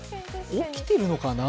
起きているのかな？